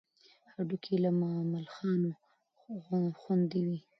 هډوکي یې له ملخانو خوندي وي.